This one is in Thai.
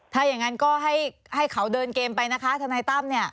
ถ้าอย่างนั้นก็ให้เขาเดินเกมไปนะคะทนายตั้มเนี่ย